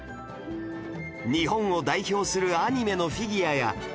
日本を代表するアニメのフィギュアや